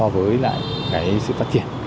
với lại cái sự phát triển